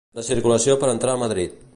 La circulació per entrar a Madrid.